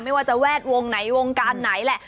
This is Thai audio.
ไม่ว่าจะแวดวงไหนวงการไหนแหละ